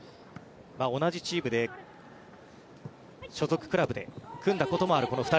同じチームで所属クラブで組んだこともあるこの２人。